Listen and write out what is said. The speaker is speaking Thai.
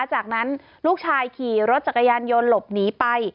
จากนั้นลูกชายขี่รถจักรยานยนต์หลบหนีไป